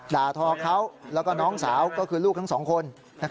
ด่าทอเขาแล้วก็น้องสาวก็คือลูกทั้งสองคน